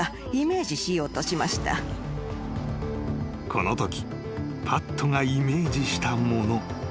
［このときパットがイメージしたもの］